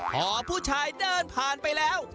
พอผู้ชายเดินผ่านไปแล้ว